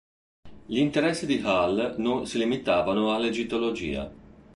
Gli interessi di Hall non si limitavano all'egittologia.